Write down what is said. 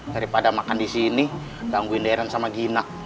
daripada makan di sini gangguin daerah sama ginak